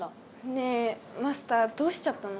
ねえマスターどうしちゃったの？